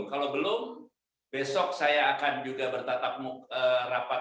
kalau belum besok saya akan juga bertatap muka rapat